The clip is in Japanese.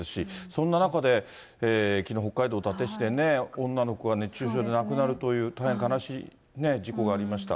そんな中で、きのう、北海道伊達市でね、女の子が熱中症で亡くなるという、大変悲しい事故がありました。